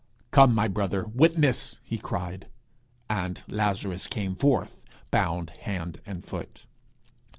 'Come, my brother; witness!' he cried; and Lazarus came forth, bound hand and foot.